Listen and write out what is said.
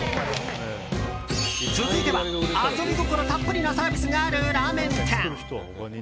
続いては、遊び心たっぷりなサービスがあるラーメン店。